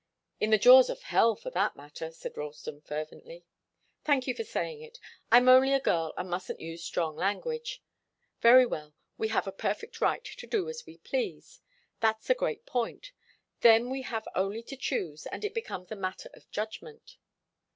"In the jaws of hell, for that matter," said Ralston, fervently. "Thank you for saying it. I'm only a girl and mustn't use strong language. Very well, we have a perfect right to do as we please. That's a great point. Then we have only to choose, and it becomes a matter of judgment."